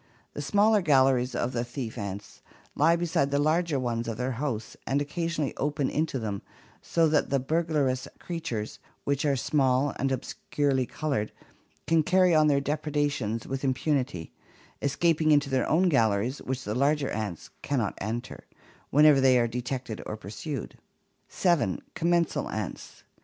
The smaller galleries of the thief ants lie beside the larger ones of their hosts and occasionally open into them, so that the burglarous creatures, which are small and obscurely colored, can carry on their depredations with impunity, escaping into their own galleries, which the larger ants cannot enter, whenever they are detected and pursued. 7. Commensal ants.